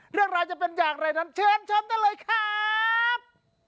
เรื่องราวจะเป็นอย่างไรนั้นเชิญชมได้เลยครับ